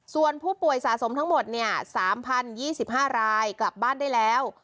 ส่วนผู้ป่วยสะสมทั้งหมด๓๐๒๕รายกลับบ้านได้แล้ว